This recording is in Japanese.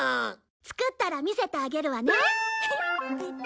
作ったら見せてあげるわね。